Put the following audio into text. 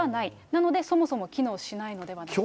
なので、そもそも機能しないのではないか。